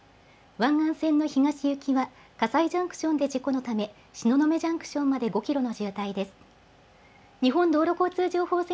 湾岸線の東行きは、かさいジャンクションで事故のため、東雲ジャンクションまで５キロの渋滞です。